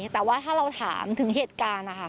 แต่ว่าถ้าเราถามถึงเหตุการณ์นะคะ